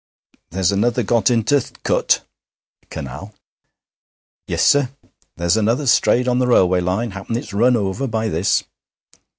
'There's another got into th' cut [canal].' 'Yes, sir.' 'There's another strayed on the railway line happen it's run over by this.'